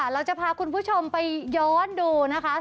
เราจะพาคุณผู้ชมไปย้อนดูนะคะ